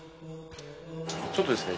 ちょっとですね